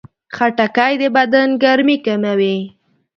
خټکی د بدن ګرمي کموي.